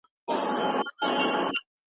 خلک په شور باندې ويښېږي